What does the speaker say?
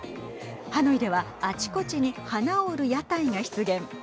ハノイではあちこちに花を売る屋台が出現。